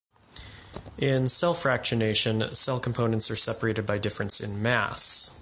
In cell fractionation, cell components are separated by difference in mass.